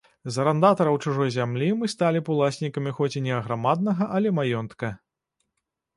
З арандатараў чужой зямлі мы сталі б уласнікамі хоць і не аграмаднага, але маёнтка.